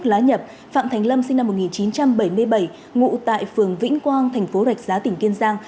lá nhập phạm thành lâm sinh năm một nghìn chín trăm bảy mươi bảy ngụ tại phường vĩnh quang thành phố rạch giá tỉnh kiên giang